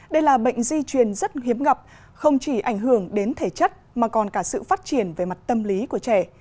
đây là bệnh di truyền rất hiếm gặp không chỉ ảnh hưởng đến thể chất mà còn cả sự phát triển về mặt tâm lý của trẻ